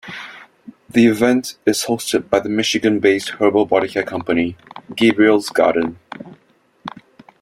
The event is hosted by the Michigan-based herbal bodycare company: Gabriel's Garden.